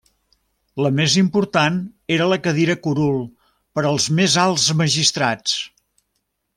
La més important era la cadira curul, per als més alts magistrats.